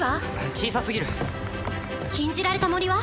小さすぎる禁じられた森は？